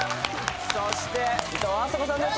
そしていとうあさこさんです